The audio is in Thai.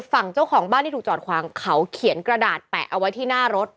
ฝั่งเจ้าของบ้านที่ถูกจอดขวางเขาเขียนกระดาษแปะเอาไว้ที่หน้ารถ